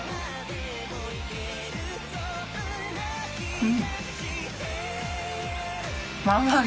うん。